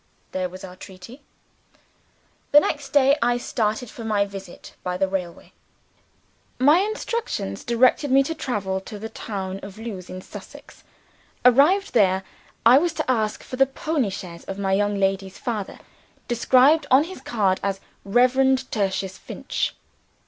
There was our treaty! The next day I started for my visit by the railway. My instructions directed me to travel to the town of Lewes in Sussex. Arrived there, I was to ask for the pony chaise of my young lady's father described on his card as Reverend Tertius Finch.